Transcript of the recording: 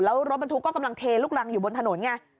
แล้วรถบรรทุกก็กำลังเทลูกรังอยู่บนถนนไง